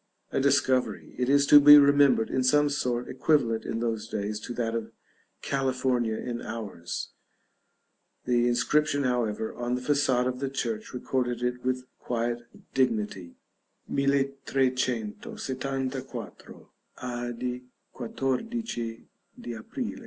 a discovery, it is to be remembered, in some sort equivalent in those days to that of California in ours. The inscription, however, on the façade of the church, recorded it with quiet dignity: "MCCCLXXIV. a di XIV. di Aprile.